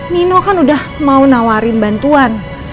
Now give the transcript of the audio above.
nino kan udah mau nawarin bantuan